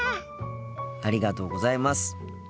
ありがとうございます。